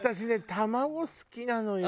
卵好きなのよ。